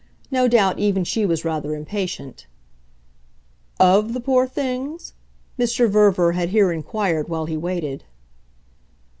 No doubt even she was rather impatient." "OF the poor things?" Mr. Verver had here inquired while he waited.